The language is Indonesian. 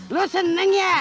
lo seneng ya